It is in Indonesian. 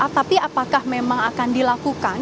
tapi apakah memang akan dilakukan